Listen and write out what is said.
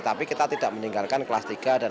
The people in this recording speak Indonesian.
tapi kita tidak meninggalkan kelas tiga dan tiga